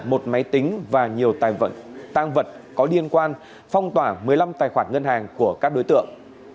một máy tính và nhiều tăng vật có liên quan phong tỏa một mươi năm tài khoản ngân hàng của các đối tượng